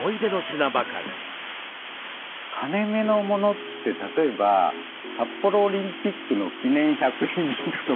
金めの物って例えば札幌オリンピックの記念１００円銀貨とか。